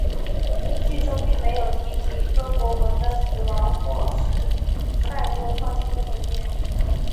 剧中并没有提及柯博文的死亡或是赛博创星的毁灭。